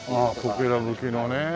こけら葺きのね。